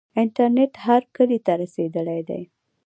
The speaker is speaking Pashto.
انټرنیټ هر کلي ته رسیدلی دی.